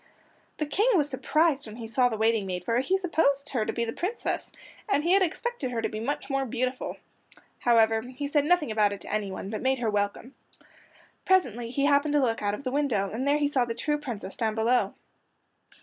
The King was surprised when he saw the waiting maid, for he supposed her to be the Princess, and he had expected her to be much more beautiful. However, he said nothing about it to anyone, but made her welcome. Presently he happened to look out of the window, and there he saw the true Princess down below.